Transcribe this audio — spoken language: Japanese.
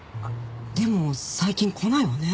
でも最近来ないわね。